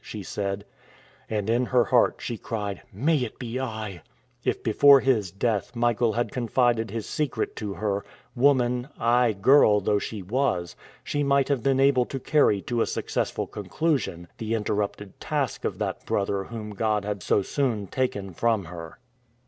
she said. And in her heart, she cried, "May it be I!" If before his death Michael had confided his secret to her, woman, aye girl though she was, she might have been able to carry to a successful conclusion the interrupted task of that brother whom God had so soon taken from her.